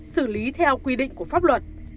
xử lý theo quy định của pháp luật